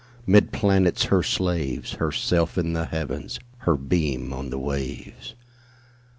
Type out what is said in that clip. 'Mid planets her slaves, Herself in the Heavens, Her beam on the waves.